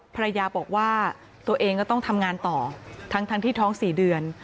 ภรรยาบอกว่าตัวเองก็ต้องทำงานต่อทั้งที่ท้อง๔เดือน